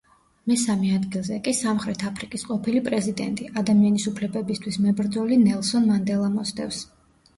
მესამე ადგილზე კი სამხრეთ აფრიკის ყოფილი პრეზიდენტი, ადამიანის უფლებებისთვის მებრძოლი ნელსონ მანდელა მოსდევს.